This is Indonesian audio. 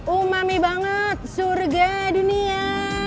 umami banget surga dunia